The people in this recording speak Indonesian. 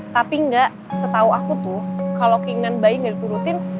tapi enggak setahu aku tuh kalau keinginan bayi nggak diturutin